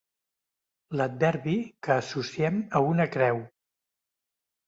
L'adverbi que associem a una creu.